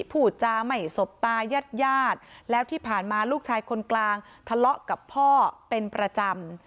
พูดจาไม่สบตายาดแล้วที่ผ่านมาลูกชายคนกลางทะเลาะกับพ่อเป็นประจำ